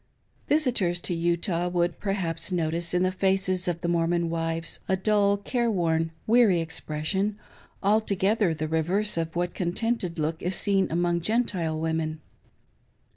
Visitors to Utah would perhaps notice in the faces of the Mormon wives a dull, careworn, weary expression, altogether the reverse of that contented look which is seen among " Gentile " women.